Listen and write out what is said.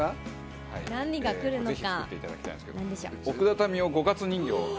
何がくるのか。